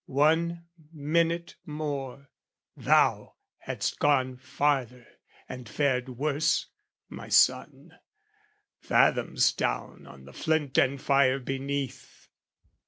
One minute more, Thou hadst gone farther and fared worse, my son, Fathoms down on the flint and fire beneath!